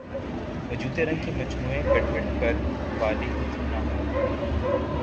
وجود رنگ کے مجموعہ گڈ مڈ کر د والے ہی کیوں نہ ہوں